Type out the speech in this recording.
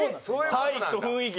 「体育」と「雰囲気」。